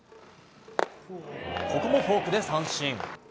ここもフォークで三振。